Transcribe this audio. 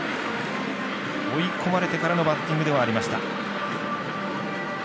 追い込まれてからのバッティングではありました。